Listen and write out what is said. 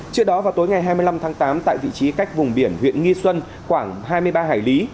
trước đó vào tối ngày hai mươi năm tháng tám tại vị trí cách vùng biển huyện nghi xuân khoảng hai mươi ba hải lý